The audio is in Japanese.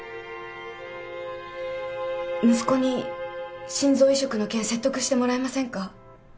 息子に心臓移植の件説得してもらえませんか？